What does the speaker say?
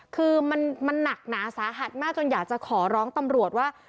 คือมันหนักหนาสาหัสมากจนอยากจะขอร้องตำรวจว่า